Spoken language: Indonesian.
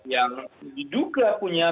yang diduga punya